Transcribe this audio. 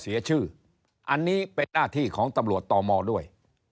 เสียชื่ออันนี้เป็นหน้าที่ของตำรวจต่อมอด้วย